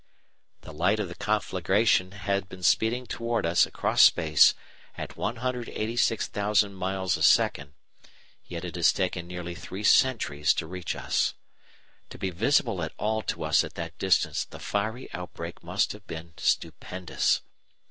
The light of the conflagration had been speeding toward us across space at 186,000 miles a second, yet it has taken nearly three centuries to reach us. To be visible at all to us at that distance the fiery outbreak must have been stupendous.